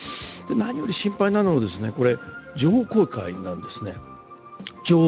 何より心配なのは、これは情報公開なんですね。